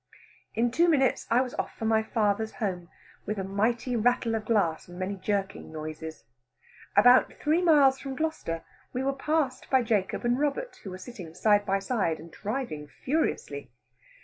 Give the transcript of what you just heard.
In two minutes I was off for my father's home with mighty rattle of glass, and many jerking noises. About three miles from Gloucester we were passed by Jacob and Robert, who were sitting side by side and driving furiously.